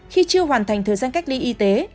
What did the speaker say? khi chưa hoàn thành thời gian cách ly y tế